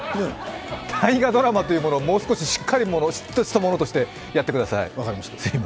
大河ドラマというものを、もう少ししっかりしたものとしてやってください。